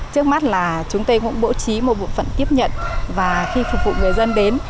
trước mắt là chúng tôi cũng bố trí một bộ phận tiếp nhận và khi phục vụ người dân đến